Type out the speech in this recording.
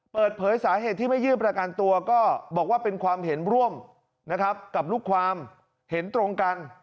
เปิดเผยสาเหตุที่ไม่ยื่นประกันตัวก็บอกว่าเป็นความเห็นร่วมนะครับกับลูกความเห็นตรงกัน